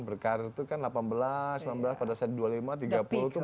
berkarir itu kan delapan belas sembilan belas pada saat dua puluh lima tiga puluh tuh